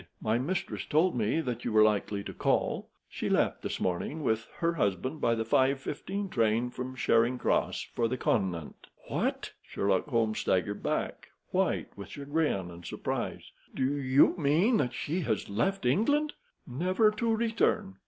My mistress told me that you were likely to call. She left this morning, with her husband, by the 5:15 train from Charing Cross, for the Continent." "What!" Sherlock Holmes staggered back, white with chagrin and surprise. "Do you mean that she has left England?" "Never to return."